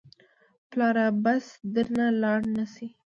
پلاره بس درنه لاړ نه شي.